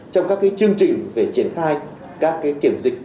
trong các chương trình về triển khai các kiểm dịch